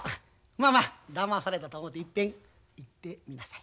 まあまあだまされたと思ていっぺんいってみなさい。